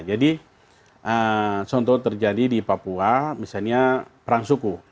jadi contoh terjadi di papua misalnya perang suku